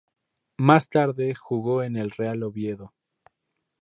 Más tarde, jugó en el Real Oviedo.